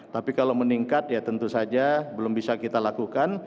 tapi kalau meningkat ya tentu saja belum bisa kita lakukan